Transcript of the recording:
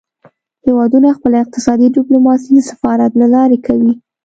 هیوادونه خپله اقتصادي ډیپلوماسي د سفارت له لارې کوي